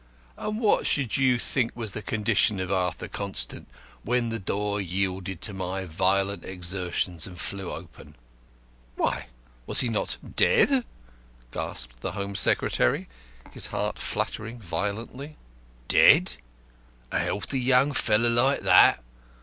And what should you think was the condition of Arthur Constant when the door yielded to my violent exertions and flew open?" "Why, was he not dead?" gasped the Home Secretary, his heart fluttering violently. "Dead? A young, healthy fellow like that!